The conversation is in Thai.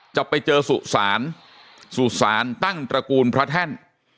จะไปเจอสุสานสุสานตั้งตระกูลพระแท่น